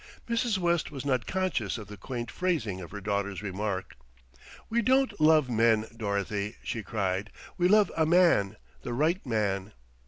Mrs. West was not conscious of the quaint phrasing of her daughter's remark. "We don't love men, Dorothy," she cried, "we love a man, the right man."